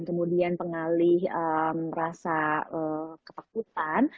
kemudian pengalih rasa kepakutan